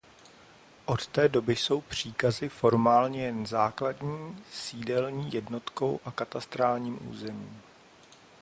Od té doby jsou Příkazy formálně jen základní sídelní jednotkou a katastrálním územím.